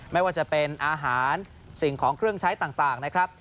ไม่ว่าจะเป็นอาหารสิ่งของเครื่องใช้ต่างนะครับ